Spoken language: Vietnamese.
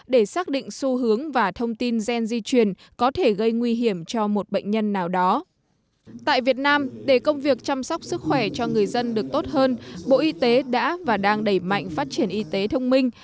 tại việt nam để công việc chăm sóc sức khỏe cho người dân được tốt hơn bộ y tế đã và đang đẩy mạnh phát triển y tế thông minh